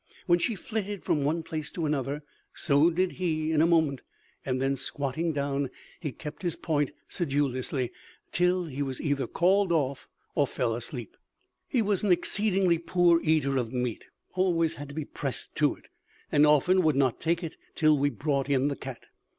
When she flitted from one place to another, so did he in a moment; and then squatting down, he kept his point sedulously, till he was either called off or fell asleep. "He was an exceedingly poor eater of meat, always had to be pressed to it, and often would not take it till we brought in the cat.